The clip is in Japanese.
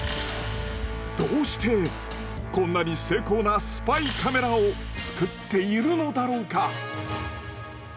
どうしてこんなに精巧なスパイカメラを作っているのだろうか。